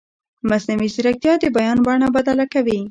مصنوعي ځیرکتیا د بیان بڼه بدله کوي.